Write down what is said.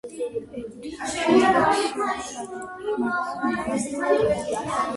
ერთვის მდინარე ფშავის არაგვს მარცხნიდან.